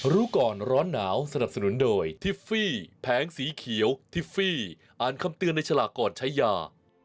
รู้ก่อนร้อนหนาวสนับสนุนโดยทิฟฟี่แผงสีเขียวทิฟฟี่อ่านคำเตือนในฉลากก่อนใช้ยา